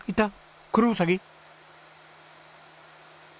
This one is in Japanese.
クロウサギ？